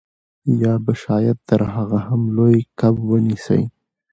یا به شاید تر هغه هم لوی کب ونیسئ